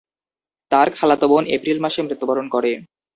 তার খালাতো বোন এপ্রিল মাসে মৃত্যুবরণ করে।